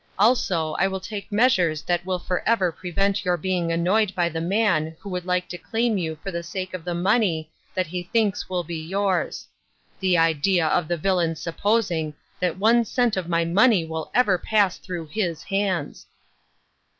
Also, I will take measures that will forever pre vent your being annoyed by the man who would like to claim you for the sake of the money that he thinks will be yours. The idea of the villain's supposing that one cent of my money will ever pass through his hands